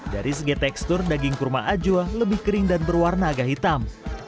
dari segi tekstur daging kurma ajwa lebih kering dan berwarna agak hitam